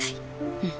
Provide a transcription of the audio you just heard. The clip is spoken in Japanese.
うん。